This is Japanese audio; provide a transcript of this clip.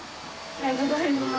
おはようございます。